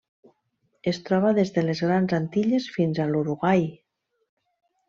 Es troba des de les Grans Antilles fins a l'Uruguai.